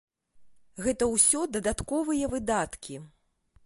Гэта ўсё дадатковыя выдаткі.